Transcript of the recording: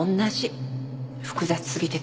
複雑すぎて大変。